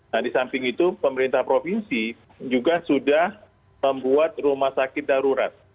nah di samping itu pemerintah provinsi juga sudah membuat rumah sakit darurat